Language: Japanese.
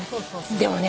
でもね